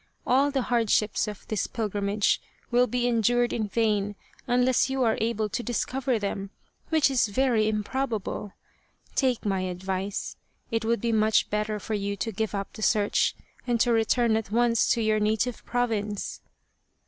All the hard ships of this pilgrimage will be endured in vain unless you are able to discover them, which is very im probable. Take my advice. It would be much better for you to give up the search and to return at once to your native province."